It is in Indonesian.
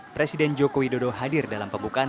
presiden joko widodo hadir dalam pembukaan